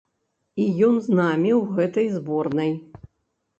І ён з намі ў гэтай зборнай.